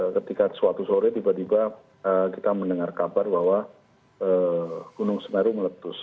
ketika suatu sore tiba tiba kita mendengar kabar bahwa gunung semeru meletus